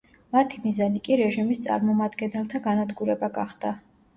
მათი მიზანი კი რეჟიმის წარმომადგენელთა განადგურება გახდა.